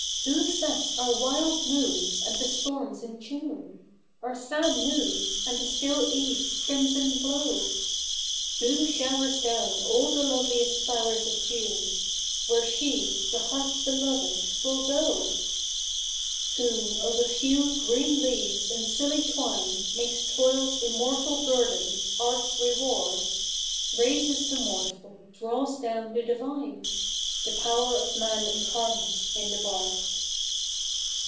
Who sets our wild moods and the storms in tune ? Our sad moods, and the still eve''s crimson glo7v ? Who sho7vers down all the loveliest floivers of June, Where she, the hearfs beloved, will go ? CH. ii] THE NEW REPUBLIC 141 ir/io, of a few green leaves in silly twine ^ Makes toil's immortal guerdon, art's reward. Raises the mortal, draivs down the divine t The power of man incarnate in the bard.